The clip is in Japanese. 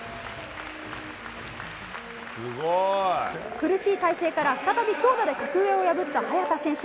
苦しい体勢から再び強打で格上を破った早田選手。